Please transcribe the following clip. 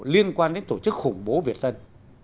liên quan đến tổ chức khủng bố việt tân